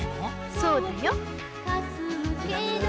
そうだよ